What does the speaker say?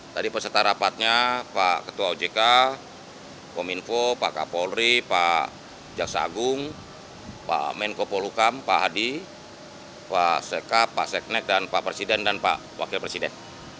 tadi peserta rapatnya pak ketua ojk kominfo pak kapolri pak jaksa agung pak menko polukam pak hadi pak sekap pak seknek dan pak presiden dan pak wakil presiden